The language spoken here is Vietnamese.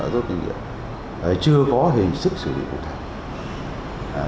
rút kinh nghiệm chưa có hình thức xử lý cụ thể